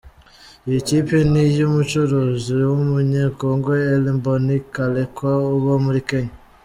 Iyi kipe ni iy’umucuruzi w’Umunyekongo Elly Mboni Kalekwa uba muri Kenya.